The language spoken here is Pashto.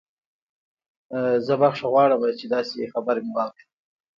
زه بخښنه غواړم چې داسې خبر مې واورید